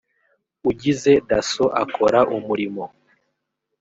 ugize dasso akora umurimo